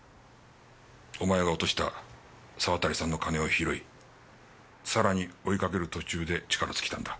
お前が落とした沢渡さんの金を拾いさらに追いかける途中で力尽きたんだ。